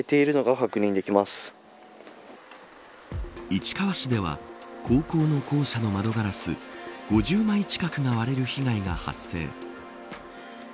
市川市では高校の校舎の窓ガラス５０枚近くが割れる被害が発生。